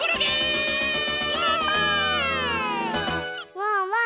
ワンワン